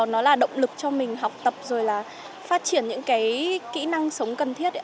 nó là động lực cho mình học tập rồi là phát triển những cái kỹ năng sống cần thiết